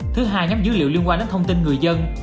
thứ hai nhóm dữ liệu liên quan đến thông tin người dân